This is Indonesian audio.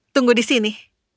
tunggu di sini